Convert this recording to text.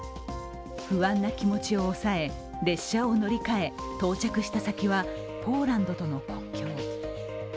不安な気持ちを抑え列車を乗り換え、到着した先はポーランドとの国境。